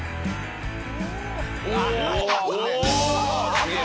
すげえ。